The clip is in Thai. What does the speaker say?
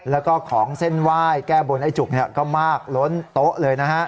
แล้วก็ของเส้นไหว้แก้บนไอ้จุกก็มากล้นโต๊ะเลยนะฮะ